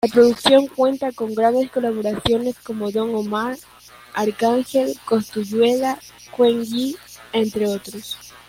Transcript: La producción cuenta con grandes colaboraciones como: Don Omar, Arcángel, Cosculluela, Ken-Y, entre otros.